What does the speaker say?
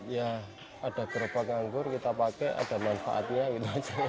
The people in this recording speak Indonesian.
ya ada gerobak nganggur kita pakai ada manfaatnya gitu aja